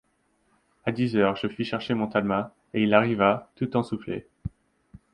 A dix heures, je fis chercher mon Talma, et il arriva, tout essoufflé.